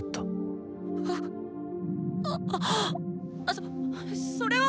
そっそれは！